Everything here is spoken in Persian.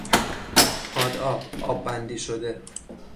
پاد آب، آب بندی شده